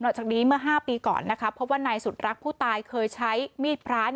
นอกจากนี้เมื่อ๕ปีก่อนนะครับเพราะว่านายสุดรักผู้ตายเคยใช้มีดพลา